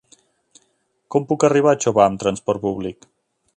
Com puc arribar a Xóvar amb transport públic?